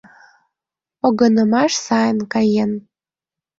Погынымаш сайын каен.